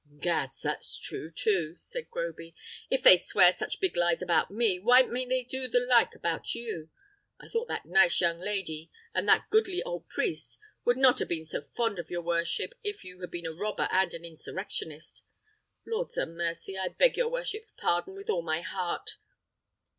"Gads! that's true too," said Groby: "if they swear such big lies about me, why mayn't they do the like about you? I thought that nice young lady, and that goodly old priest, would not ha' been so fond of your worship if you had been a robber and an insurrectionist. Lord a' mercy! I beg your worship's pardon with all my heart."